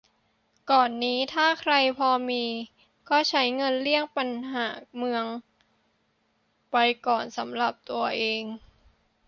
ก่อนนี้ ถ้าใครพอมี ก็ใช้เงินเลี่ยงปัญหาเมืองไปก่อนสำหรับตัวเอง